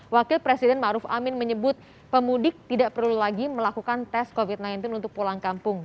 wakil presiden ⁇ maruf ⁇ amin menyebut pemudik tidak perlu lagi melakukan tes covid sembilan belas untuk pulang kampung